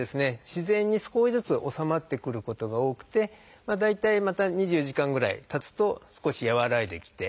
自然に少しずつ治まってくることが多くて大体また２４時間ぐらいたつと少し和らいできて。